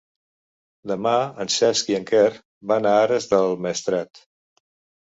Demà en Cesc i en Quer van a Ares del Maestrat.